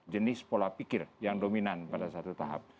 jenis pola pikir yang dominan pada satu tahap